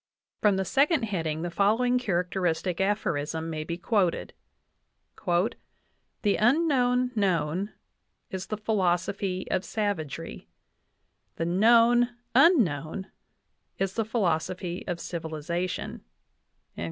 From the second heading the following" characteristic aphorism may be quoted : "The unknown known is the philosophy of savagery; the known unknown is the philosophy of civiliza tion."